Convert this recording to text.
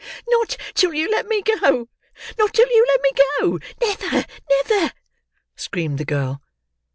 "Not till you let me go—not till you let me go—Never—never!" screamed the girl.